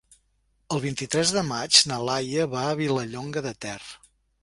El vint-i-tres de maig na Laia va a Vilallonga de Ter.